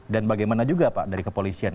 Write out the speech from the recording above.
dan bagaimana juga pak dari kepolisian